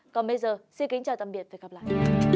còn bây giờ xin kính chào tạm biệt và hẹn gặp lại